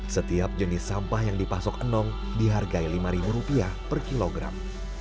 setiap jenis sampah yang dipasok enong dihargai rp lima per kilogram